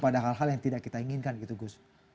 pada hal hal yang tidak kita inginkan gitu gus